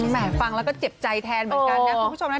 แม่ฟังแล้วก็เจ็บใจแทนเหมือนกันนะคุณผู้ชมนะ